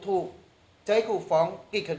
แต่เจ้าตัวก็ไม่ได้รับในส่วนนั้นหรอกนะครับ